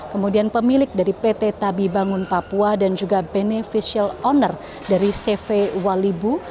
kemudian pemilik dari pt tabi bangun papua dan juga beneficial owner dari cv walibu